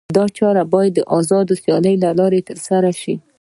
دا چارې باید د آزادې سیالۍ له لارې ترسره شي.